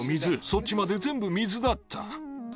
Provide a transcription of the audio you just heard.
そっちまで全部水だった。